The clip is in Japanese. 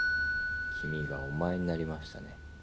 「君」が「お前」になりましたね。